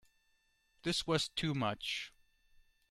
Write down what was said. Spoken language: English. This was too much.